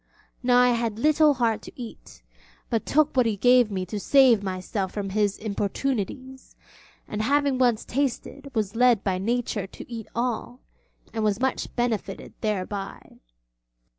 Now I had little heart to eat, but took what he gave me to save myself from his importunities, and having once tasted was led by nature to eat all, and was much benefited thereby.